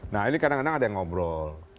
nah ini kadang kadang ada yang ngobrol